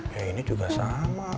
ya ini juga sama